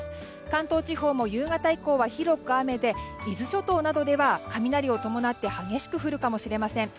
関東地方も夕方以降は広く雨で伊豆諸島などでは雷を伴って激しく降るかもしれません。